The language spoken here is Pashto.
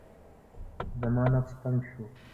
زما نفس تنګ شو.